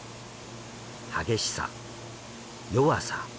激しさ弱さ。